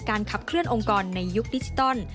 ขับเคลื่อองค์กรในยุคดิจิตอล